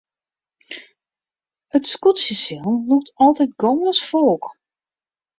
It skûtsjesilen lûkt altyd gâns folk.